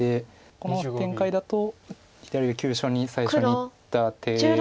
この展開だと左上急所に最初にいった手から。